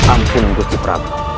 ampun guci prabu